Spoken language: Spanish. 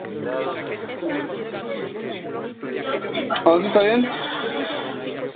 Consiste en un cráneo con las mandíbulas inferiores fragmentarias.